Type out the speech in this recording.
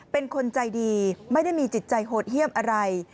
เป็นคนใจดีไม่ได้มีจิตใจโหดเยี่ยมอะไร